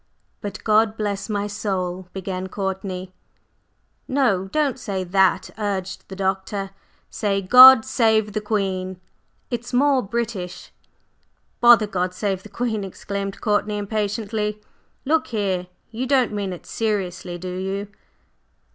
"But God bless my soul!" began Courtney … "No, don't say that!" urged the Doctor. "Say 'God save the Queen.' It's more British." "Bother 'God save the Queen,'" exclaimed Courtney impatiently. "Look here, you don't mean it seriously, do you?"